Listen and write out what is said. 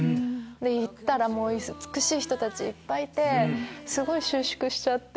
行ったら美しい人たちいっぱいいてすごい収縮しちゃって。